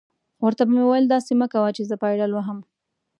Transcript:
ور ته به مې ویل: داسې مه کوه چې زه پایډل وهم.